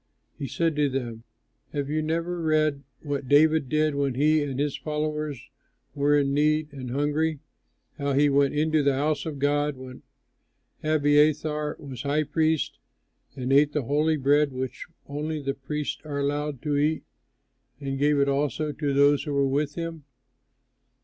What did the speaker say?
He said to them, "Have you never read what David did when he and his followers were in need and hungry? how he went into the house of God, when Abiathar was high priest, and ate the holy bread which only the priests are allowed to eat, and gave it also to those who were with him?"